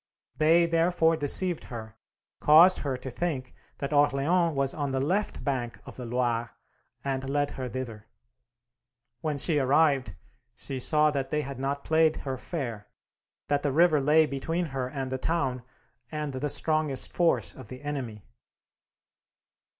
They, therefore, deceived her, caused her to think that Orleans was on the left bank of the Loire, and led her thither. When she arrived, she saw that they had not played her fair, that the river lay between her and the town, and the strongest force of the enemy.